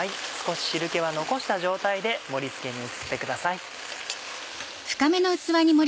少し汁気は残した状態で盛り付けに移ってください。